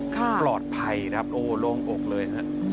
ค่ะปลอดภัยนะโอ้ลงอกเลยนะ